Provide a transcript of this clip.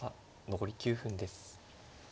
残り９分です。